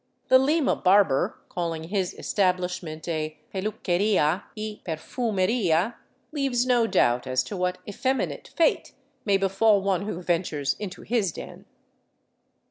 The Lima barber, calling his establishment a " Peluqueria y Perfumeria," leaves no doubt as to what effeminate fate may befall one who ventures into his den.